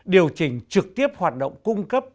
điều chỉnh trực tiếp hoạt động cung cấp